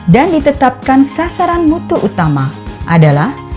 dan ditetapkan sasaran mutu utama adalah